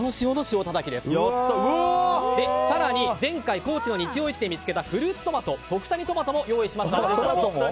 更に、前回高知の日曜市で見つけたフルーツトマト、徳谷トマトも用意しました。